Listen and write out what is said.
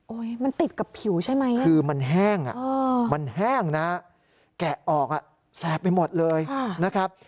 มันติดกับผิวใช่ไหมคือมันแห้งอ่ะมันแห้งนะแกะออกแสบไปหมดเลยนะครับ